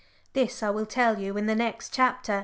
This I will tell you in the next chapter.